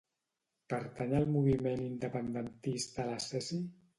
Pertany al moviment independentista la Ceci?